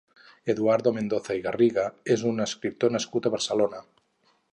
Eduardo Mendoza i Garriga és un escriptor nascut a Barcelona.